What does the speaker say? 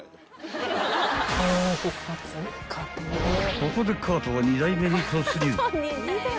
［ここでカートは２台目に突入］